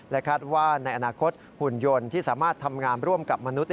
คาดว่าในอนาคตหุ่นยนต์ที่สามารถทำงานร่วมกับมนุษย